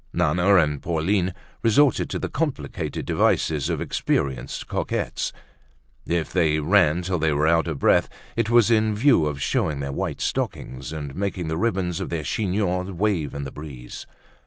Nana and Pauline resorted to the complicated devices of experienced coquettes. If they ran till they were out of breath, it was in view of showing their white stockings and making the ribbons of their chignons wave in the breeze.